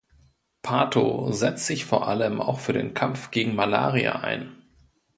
Pato setzt sich vor allem auch für den Kampf gegen Malaria ein.